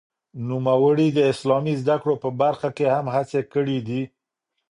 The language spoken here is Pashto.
نوموړي د اسلامي زده کړو په برخه کې هم هڅې کړې دي.